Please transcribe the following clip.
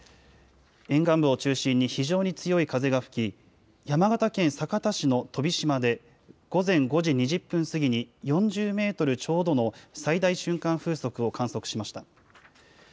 沿岸部を中心に非常に強い風が吹き、山形県酒田市の飛島で午前５時２０分過ぎに４０メートルちょうどの最大瞬間風速を観測しました。